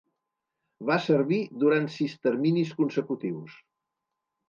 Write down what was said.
Va servir durant sis terminis consecutius.